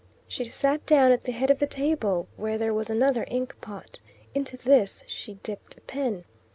She sat down at the head of the table, where there was another ink pot. Into this she dipped a pen.